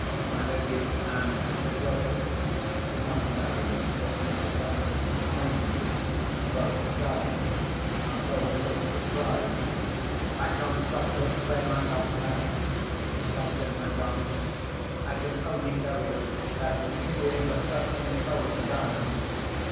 My lady and Mr. Godfrey (not knowing what Mr. Franklin and I knew) both started, and both looked surprised. "I can't stop to explain myself now," Mr. Franklin went on. "I can only tell you that the Indians have certainly stolen the Diamond.